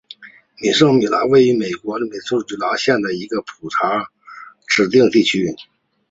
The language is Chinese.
圣米格尔是位于美国亚利桑那州皮马县的一个人口普查指定地区。